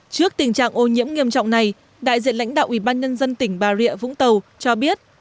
trước tình trạng ô nhiễm nghiêm trọng này đại diện lãnh đạo ubnd tỉnh bà rịa vũng tàu cho biết